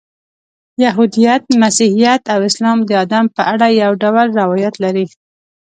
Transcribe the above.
یهودیت، مسیحیت او اسلام د آدم په اړه یو ډول روایات لري.